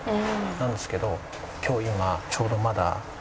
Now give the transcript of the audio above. なんですけど今日今ちょうどまだ。